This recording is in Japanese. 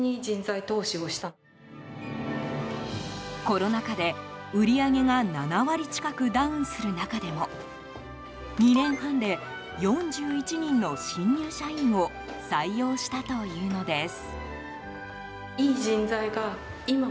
コロナ禍で、売り上げが７割近くダウンする中でも２年半で、４１人の新入社員を採用したというのです。